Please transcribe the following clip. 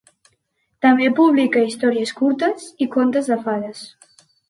També publica històries curtes i contes de fades.